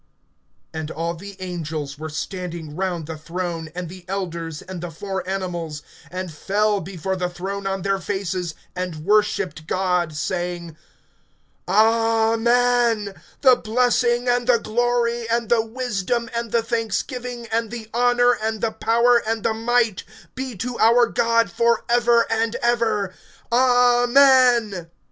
(11)And all the angels were standing round the throne and the elders and the four animals, and fell before the throne on their faces, and worshiped God, (12)saying: Amen; the blessing, and the glory, and the wisdom, and the thanksgiving, and the honor, and the power, and the might, be to our God forever and ever. Amen.